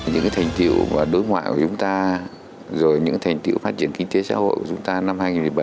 những thành tiệu đối ngoại của chúng ta rồi những thành tiệu phát triển kinh tế xã hội của chúng ta năm hai nghìn một mươi bảy